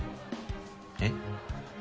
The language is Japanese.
えっ？